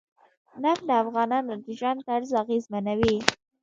نفت د افغانانو د ژوند طرز اغېزمنوي.